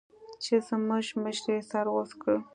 چې زموږ مشر يې سر غوڅ کړ.